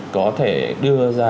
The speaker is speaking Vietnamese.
có thể đưa ra